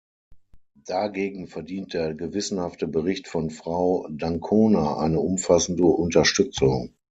Dagegen verdient der gewissenhafte Bericht von Frau d'Ancona eine umfassende Unterstützung.